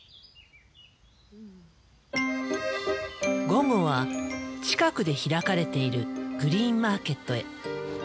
午後は近くで開かれているグリーンマーケットへ。